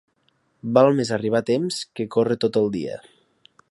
Val més arribar a temps que córrer tot el dia.